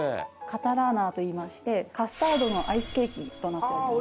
カタラーナといいましてカスタードのアイスケーキとなっております。